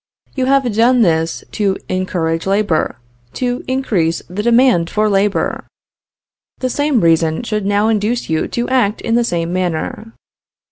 You have done this to encourage labor, to increase the demand for labor. The same reason should now induce you to act in the same manner.